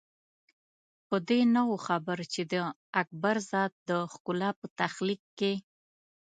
په دې نه وو خبر چې د اکبر ذات د ښکلا په تخلیق کې.